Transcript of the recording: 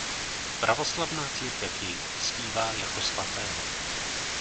Pravoslavná církev jej uctívá jako svatého.